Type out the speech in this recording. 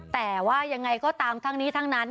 แต่ว่ายังไงก็ตามทั้งนี้ทั้งนั้น